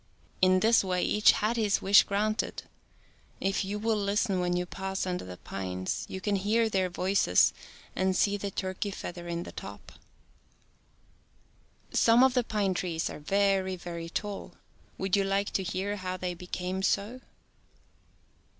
In this way each had his wish granted. If you will listen when you pass under the pines you can hear their voices and see the turkey feather in the top. Some of the pine trees are very, very tall. Would you like to hear how they became so